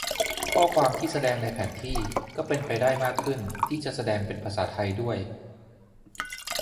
ข้อความที่แสดงในแผนที่ก็เป็นไปได้มากขึ้นที่จะแสดงเป็นภาษาไทยด้วย